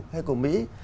hay của mỹ